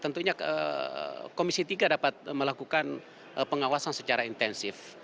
tentunya komisi tiga dapat melakukan pengawasan secara intensif